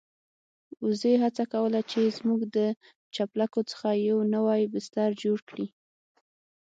وزې هڅه کوله چې زموږ د چپلکو څخه يو نوی بستر جوړ کړي.